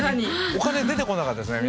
お金出てこなかったですね